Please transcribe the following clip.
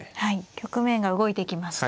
局面が動いてきました。